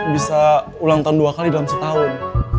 bisa ulang tahun dua kali dalam setahun